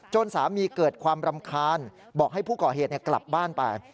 สามีเกิดความรำคาญบอกให้ผู้ก่อเหตุกลับบ้านไป